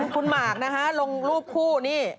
คุณมาร์คนะคะลงรูปคู่นี้